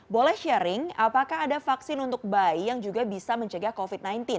boleh sharing apakah ada vaksin untuk bayi yang juga bisa mencegah covid sembilan belas